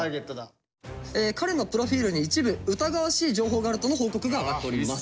彼のプロフィールに一部疑わしい情報があるとの報告が上がっております。